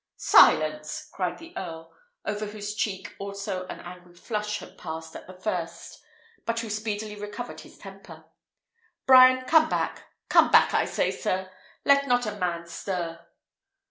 "Silence!" cried the earl, over whose cheek also an angry flush had passed at the first, but who speedily recovered his temper. "Brian, come back! come back, I say, sir! let not a man stir!"